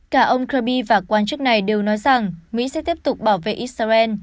cả ông kirby và quan chức này đều nói rằng mỹ sẽ tiếp tục bảo vệ israel